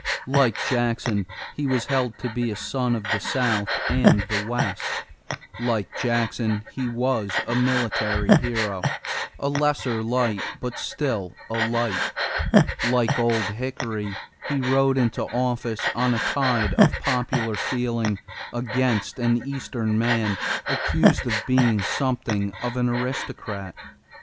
Like Jackson he was held to be a son of the South and the West. Like Jackson he was a military hero, a lesser light, but still a light. Like Old Hickory he rode into office on a tide of popular feeling against an Eastern man accused of being something of an aristocrat.